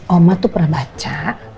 oma tuh prabaca